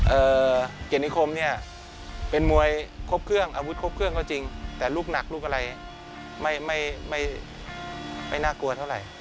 เกียรตินิคมเนี่ยเป็นมวยครบเครื่องอาวุธครบเครื่องก็จริงแต่ลูกหนักลูกอะไรไม่ไม่น่ากลัวเท่าไหร่